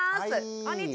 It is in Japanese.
こんにちは。